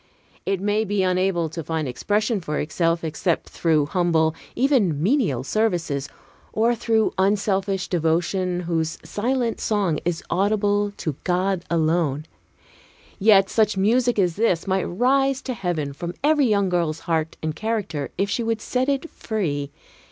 It may be unable to find expression for itself except through humble, even menial services, or through unselfish devotion whose silent song is audible to God alone; yet such music as this might rise to heaven from every young girl's heart and character if she would set it free.